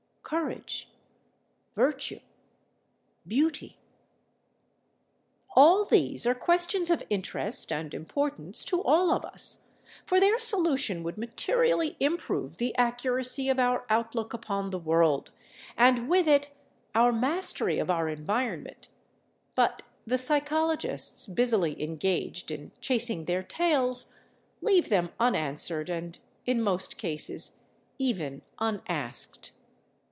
Courage? Virtue? Beauty? All these are questions of interest and importance to all of us, for their solution would materially improve the accuracy of our outlook upon the world, and with it our mastery of our environment, but the psychologists, busily engaged in chasing their tails, leave them unanswered, and, in most cases, even unasked.